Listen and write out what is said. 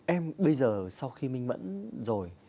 em bây giờ sau khi minh bẫn rồi